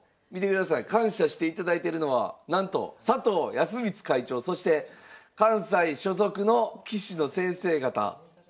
見てください感謝していただいてるのはなんと佐藤康光会長そして関西所属の棋士の先生方。